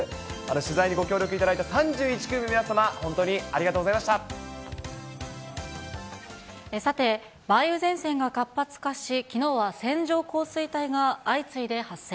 取材にご協力いただいた３１組の皆様、本当にありがとうございまさて、梅雨前線が活発化し、きのうは線状降水帯が相次いで発生。